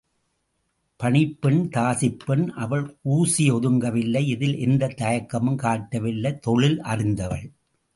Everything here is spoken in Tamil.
பணிப்பெண் தாசிப்பெண் அவள் கூசி ஒதுங்கவில்லை இதில் எந்தத் தயக்கமும் காட்டவில்லை தொழில் அறிந்தவள்.